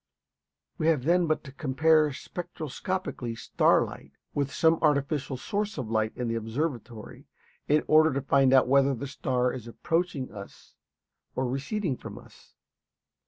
We have then but to compare spectroscopically starlight with some artificial source of light in the observatory in order to find out whether the star is approaching us or receding from us.